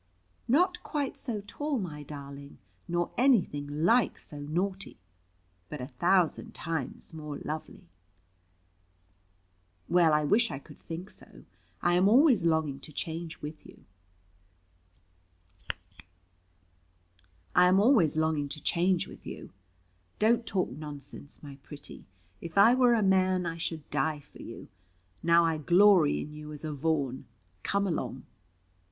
"Not quite so tall, my darling, nor anything like so naughty; but a thousand times more lovely." "Well, I wish I could think so. I am always longing to change with you." "Don't talk nonsense, my pretty; if I were a man I should die for you. Now I glory in you as a Vaughan. Come along."